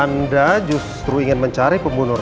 anda justru ingin mencari pembunuh